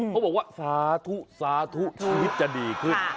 เขาบอกว่าสาธุสาธุชีวิตจะดีขึ้น